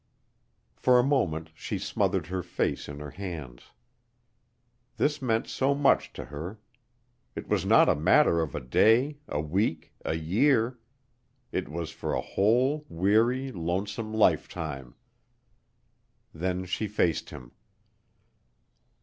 For a moment she smothered her face in her hands. This meant so much to her. It was not a matter of a day, a week, a year; it was for a whole weary, lonesome lifetime. Then she faced him.